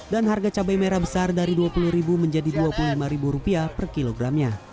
dan harga cabai merah besar dari rp dua puluh menjadi rp dua puluh lima per kilogramnya